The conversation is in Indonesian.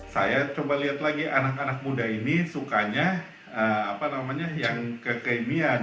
saya coba lihat lagi anak anak muda ini sukanya yang kekemian